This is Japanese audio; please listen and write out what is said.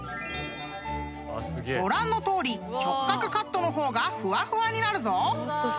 ［ご覧のとおり直角カットの方がふわふわになるぞ］